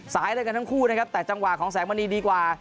อะไรกันทั้งคู่นะครับแต่จังหวะของแสงมณีดีกว่า